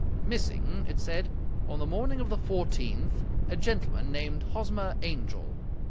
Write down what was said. " Missing," it said, " on the morning of the fourteenth, a gentleman named Hosmer Angel.